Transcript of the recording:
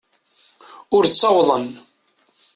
Ur ttawḍen.